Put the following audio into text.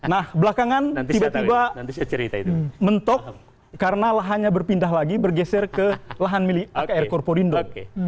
nah belakangan tiba tiba mentok karena lahannya berpindah lagi bergeser ke lahan milik akr corpo rindo